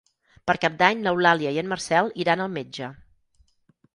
Per Cap d'Any n'Eulàlia i en Marcel iran al metge.